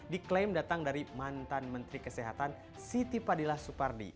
diklaim datang dari mantan menteri kesehatan siti padilah supardi